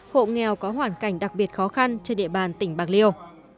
hộ nghèo có hoàn cảnh đặc biệt khó khăn trên địa bàn tỉnh bạc liêu